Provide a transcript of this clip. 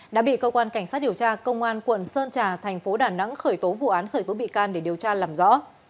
đã bị cơ quan cảnh sát điều tra công an quận sơn trà thành phố đà nẵng khởi tố vụ án khởi tố bị can để điều tra làm rõ